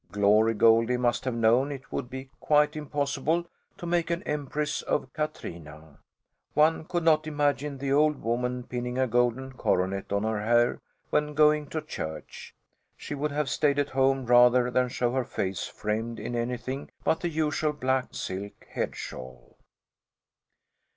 Glory Goldie must have known it would be quite impossible to make an empress of Katrina. One could not imagine the old woman pinning a golden coronet on her hair when going to church; she would have stayed at home rather than show her face framed in anything but the usual black silk headshawl.